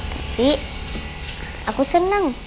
tapi aku senang